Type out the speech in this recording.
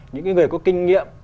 những người có kinh nghiệm